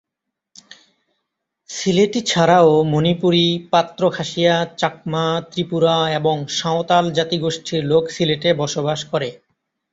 সিলেটি ছাড়াও মণিপুরী, পাত্র খাসিয়া, চাকমা, ত্রিপুরা এবং সাঁওতাল জাতিগোষ্ঠীর লোক সিলেটে বসবাস করে।